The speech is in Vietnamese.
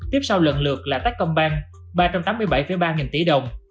tiếp sau lần lượt là tac công ban ba trăm tám mươi bảy ba nghìn tỷ đồng